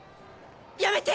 やめて！